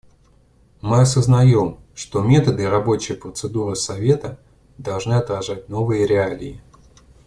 Мы осознаем, что методы и рабочие процедуры Совета должны отражать новые реалии.